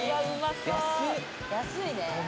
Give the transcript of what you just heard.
安いね。